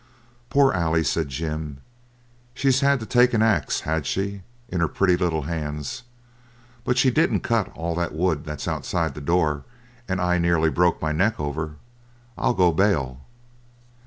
'Poor Ailie,' said Jim, 'she had to take an axe, had she, in her pretty little hands; but she didn't cut all that wood that's outside the door and I nearly broke my neck over, I'll go bail.'